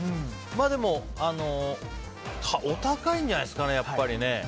でも、お高いんじゃないですかねやっぱり。